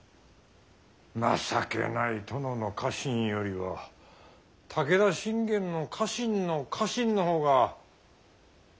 情けない殿の家臣よりは武田信玄の家臣の家臣の方が我らマシかもしれんのう。